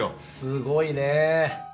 すごいねえ。